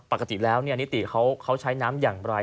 ปกติแล้วนิติเขาใช้น้ำอย่างไร